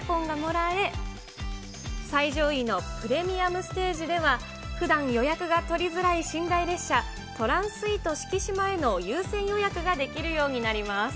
ステージ３では旅行の割引クーポンがもらえ、最上位のプレミアムステージでは、ふだん予約が取りづらい寝台列車、トランスイート四季島への優先予約ができるようになります。